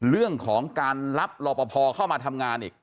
เรื่องของการรับรอปภเข้ามาทำงานอีก